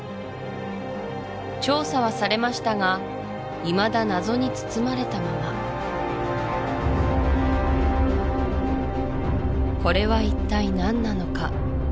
調査はされましたがいまだ謎に包まれたままこれは一体何なのか？